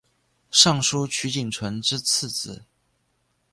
尚书瞿景淳之次子。